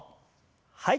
はい。